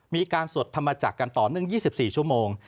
มีการสวดทำมาจากกันต่อเนื่อง๒๔ชั่วโมง